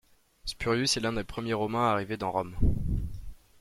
Spurius est l'un des premiers Romains à arriver dans Rome.